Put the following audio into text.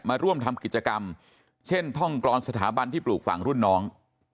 มาร่วมทำกิจกรรมเช่นท่องกรอนสถาบันที่ปลูกฝั่งรุ่นน้อง